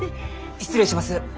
失礼します。